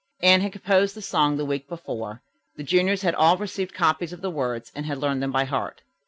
Anne had composed the song the week before. The juniors had all received copies of the words and had learned them by heart.